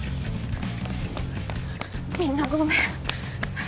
みんなごめん。